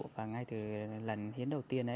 và ngay từ lần hiến đầu tiên